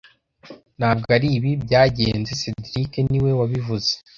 Ntabwo aribi byagenze cedric niwe wabivuze